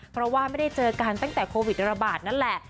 เพราะว่าไม่ได้เจอกันตั้งแต่โควิดระบาดนั่นแหละ